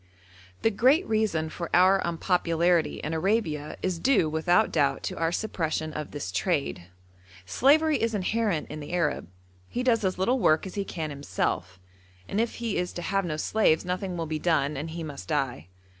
The great reason for our unpopularity in Arabia is due without doubt to our suppression of this trade. Slavery is inherent in the Arab; he does as little work as he can himself, and if he is to have no slaves nothing will be done, and he must die.